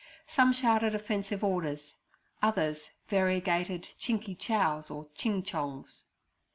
Some shouted offensive orders, others, variegated Chinky chows or Ching chongs.'